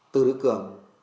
từ đức cường